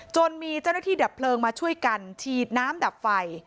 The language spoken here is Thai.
จนมีเจ้าหน้าที่ดับเพลิงมาช่วยกันฉีดน้ำดับไฟ